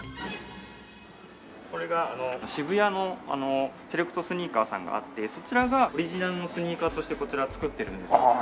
これが渋谷のセレクトスニーカーさんがあってそちらがオリジナルのスニーカーとしてこちらを作ってるんですけども。